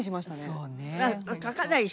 そうね。